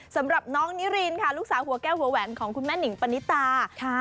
สำหรับน้องนิรินค่ะลูกสาวหัวแก้วหัวแหวนของคุณแม่หนิงปณิตา